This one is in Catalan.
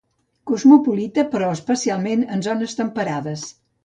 Cosmopolita però especialment en zones temperades.